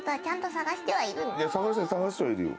探してる探してはいるよ